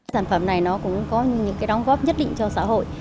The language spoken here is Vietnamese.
sản phẩm này nó cũng có những cái đóng góp nhất định cho xã hội